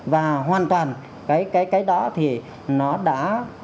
và hoàn toàn cái cái cái đó thì nó đã